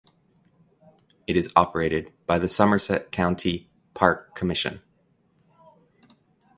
It is operated by the Somerset County Park Commission.